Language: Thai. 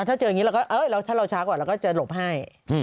ถ้าเจออย่างนี้ถ้าเราช้าก่อนเราก็จะหลบให้